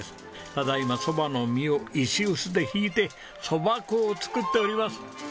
ただ今蕎麦の実を石臼でひいて蕎麦粉を作っております。